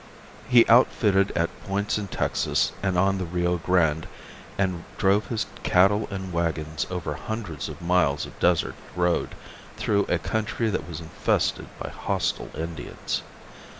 He outfitted at points in Texas and on the Rio Grande and drove his cattle and wagons over hundreds of miles of desert road through a country that was infested by hostile Indians.